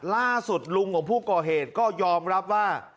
ล่าสุดลุงของผู้ก่อเหตุก็ยอมรับว่า